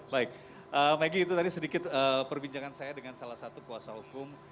baik maggie itu tadi sedikit perbincangan saya dengan salah satu kuasa hukum